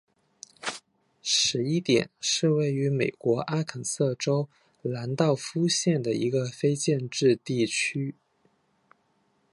十一点是位于美国阿肯色州兰道夫县的一个非建制地区。